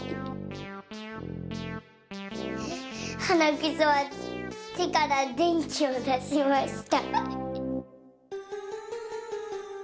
はなくそはてからでんきをだしました。